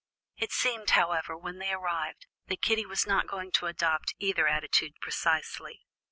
It seemed, however, when they arrived, that Kitty was not going to adopt either attitude precisely.